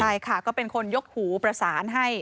ใช่ค่ะก็เป็นคนยกหูประสานให้